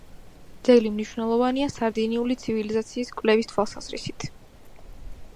ძეგლი მნიშვნელოვანია სარდინიული ცივილიზაციის კვლევის თვალსაზრისით.